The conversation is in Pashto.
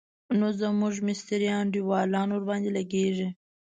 نو زموږ مستري انډيوالان ورباندې لګېږي.